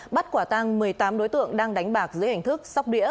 bắt quả tăng một mươi tám đối tượng đang đánh bạc dưới hình thức sóc đĩa